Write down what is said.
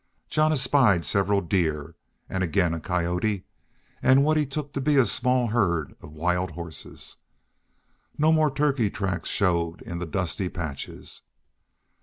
Jean espied several deer, and again a coyote, and what he took to be a small herd of wild horses. No more turkey tracks showed in the dusty patches.